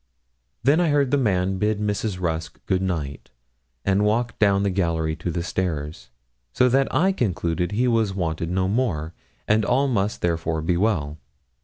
Then I heard the man bid Mrs. Rusk good night and walk down the gallery to the stairs, so that I concluded he was wanted no more, and all must therefore be well.